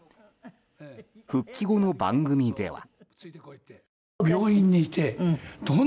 復帰後の番組では。